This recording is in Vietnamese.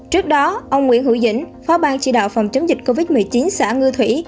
trước đó ông nguyễn hữu dĩnh phó bang chỉ đạo phòng chống dịch covid một mươi chín xã ngư thủy